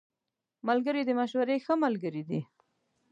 ملګری د مشورې ښه ملګری دی